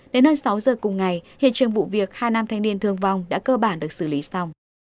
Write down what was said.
đến hơn sáu giờ cùng ngày hiện trường vụ việc hai nam thanh niên thương vong đã cơ bản được xử lý xong